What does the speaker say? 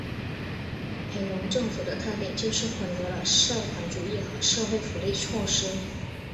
裴隆政府的特点就是混合了社团主义和社会福利措施。